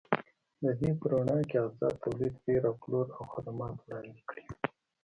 د دې په رڼا کې ازاد تولید، پېر او پلور او خدمات وړاندې کړي.